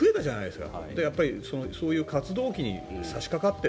だから、そういう活動期に差しかかっている。